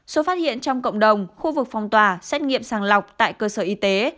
số phát hiện trong cộng đồng khu vực phong tỏa xét nghiệm sàng lọc tại cơ sở y tế